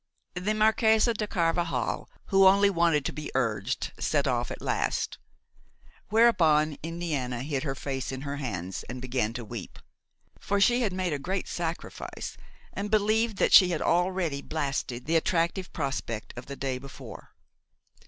The Marquise de Carvajal, who only wanted to be urged, set off at last. Whereupon, Indiana hid her face in her hands and began to weep; for she had made a great sacrifice and believed that she had already blasted the attractive prospect of the day before.